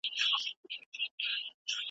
خوش ګمانه تش په نام دې ګرزؤمه